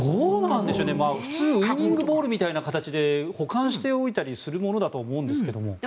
普通ウィニングボールみたいな形で保管しておくものだと思うんですが。